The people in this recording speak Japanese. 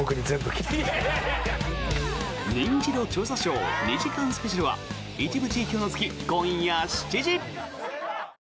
「ニンチド調査ショー」２時間スペシャルは一部地域を除き、今夜７時。